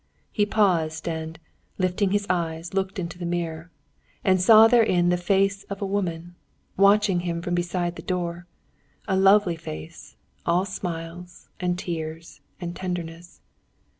He paused, and, lifting his eyes, looked into the mirror and saw therein the face of a woman, watching him from beside the door; a lovely face, all smiles, and tears, and tenderness.